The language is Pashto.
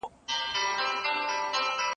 پانګه د صنعت د پراخېدو لپاره زمينه برابروي.